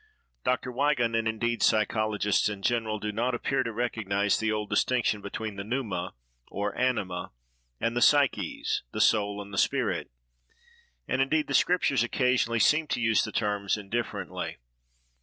Dr. Wigan and indeed psychologists in general do not appear to recognise the old distinction between the pneuma, or anima, and the psyches—the soul and the spirit; and, indeed, the Scriptures occasionally seem to use the terms indifferently.